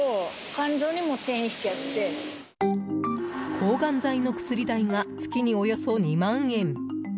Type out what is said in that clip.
抗がん剤の薬代が月におよそ２万円。